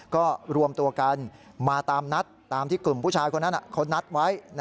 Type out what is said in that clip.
ก็รวมตัวกันมาตามนัดตามที่กลุ่มผู้ชายคนนั้นเขานัดไว้